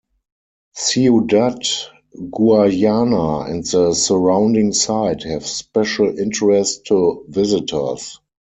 Ciudad Guayana and the surrounding site have special interest to visitors.